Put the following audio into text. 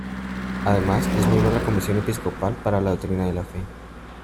Además, es miembro de la Comisión Episcopal para la Doctrina de la Fe.